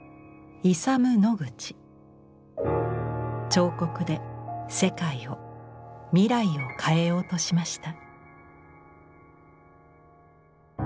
彫刻で世界を未来を変えようとしました。